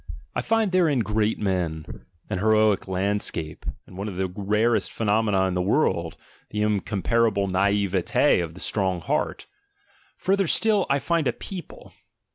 I find therein great men, an heroic landscape, and one of the rarest phenomena in the world, the incomparable naivete of the strong heart; further still, I find a people.